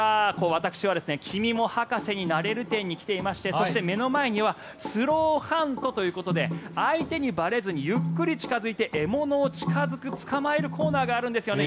私は君も博士になれる展に来ていましてそして目の前にはスローハントということで相手にばれずにゆっくり近付いて獲物を捕まえるコーナーがあるんですよね。